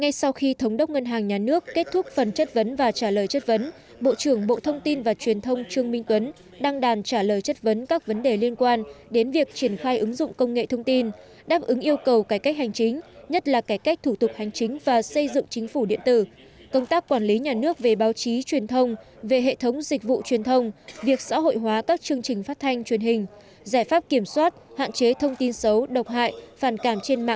ngay sau khi thống đốc ngân hàng nhà nước kết thúc phần chất vấn và trả lời chất vấn bộ trưởng bộ thông tin và truyền thông trương minh tuấn đăng đàn trả lời chất vấn các vấn đề liên quan đến việc triển khai ứng dụng công nghệ thông tin đáp ứng yêu cầu cải cách hành chính nhất là cải cách thủ tục hành chính và xây dựng chính phủ điện tử công tác quản lý nhà nước về báo chí truyền thông về hệ thống dịch vụ truyền thông việc xã hội hóa các chương trình phát thanh truyền hình giải pháp kiểm soát hạn chế thông tin xấu độc hại phản cảm trên mạ